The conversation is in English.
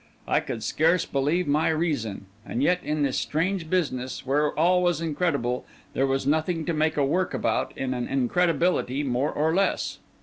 I could scarce believe my reason; and yet in this strange business, where all was incredible, there was nothing to make a work about in an incredibility more or less.